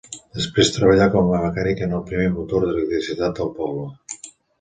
Després treballà com a mecànic en el primer motor d'electricitat del poble.